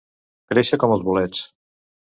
Créixer com els bolets.